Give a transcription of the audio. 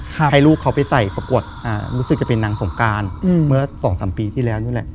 ให้ลูกเขาไปใส่ปรบปวดรู้สึกจะเป็นนางสงคร์กานเมื่อ๒๓ปีที่แล้ว